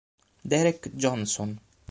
Derek Johnson